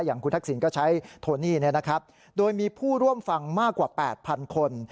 อย่างคุณทักษิณก็ใช้โทนี่เนี่ยนะครับโดยมีผู้ร่วมฟังมากกว่าแปดพันคน